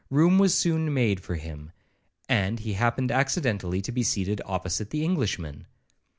Room was soon made for him, and he happened accidentally to be seated opposite the Englishman.